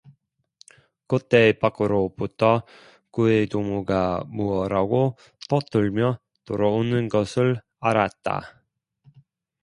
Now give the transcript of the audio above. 그때 밖으로부터 그의 동무가 무어라고 떠들며 들어오는 것을 알았다.